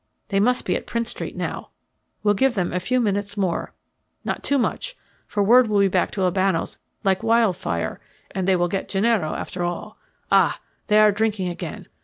They must be at Prince Street now we'll give them a few minutes more, not too much, for word will be back to Albano's like wildfire, and they will get Gennaro after all. Ah, they are drinking again.